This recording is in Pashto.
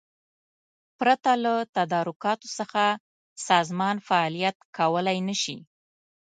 پرته له تدارکاتو څخه سازمان فعالیت کولای نشي.